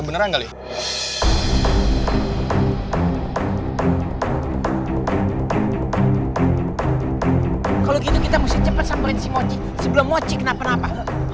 kalau gitu kita cepet sampai sebelum mochi kenapa